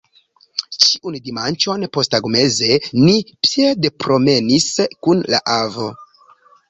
Ĉiun dimanĉon posttagmeze ni piedpromenis kun la avo.